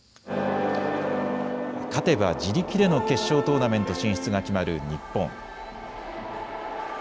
勝てば自力での決勝トーナメント進出が決まる日本。